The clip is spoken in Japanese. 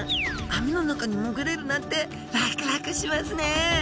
網の中に潜れるなんてわくわくしますね！